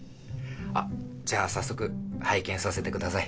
あじゃあ早速拝見させてください。